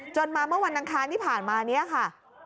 จนมาเมื่อวันทางทางที่ผ่านมานี้ค่ะ